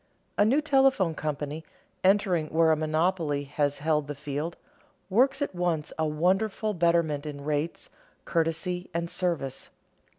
A new telephone company, entering where a monopoly has held the field, works at once a wonderful betterment in rates, courtesy, and service.